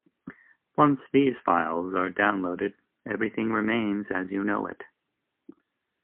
Once these files are downloaded everything remains as you know it.